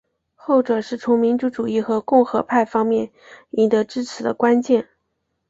后者是从民族主义和共和派方面赢得支持的关键。